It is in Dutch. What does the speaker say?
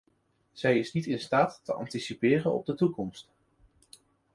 Zij is niet staat te anticiperen op de toekomst.